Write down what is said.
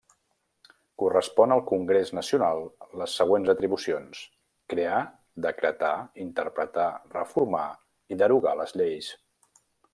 Correspon al Congrés Nacional les següents atribucions: crear, decretar, interpretar, reformar i derogar les lleis.